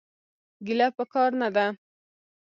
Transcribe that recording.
ګيله پکار نه ده.